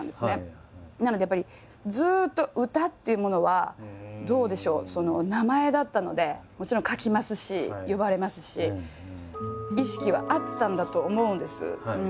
なのでやっぱりずっと「歌」っていうものはどうでしょう名前だったのでもちろん書きますし呼ばれますし意識はあったんだと思うんです。